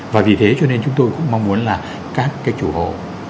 và vì thế cho nên chúng tôi cũng mong muốn là các cái chủ hồ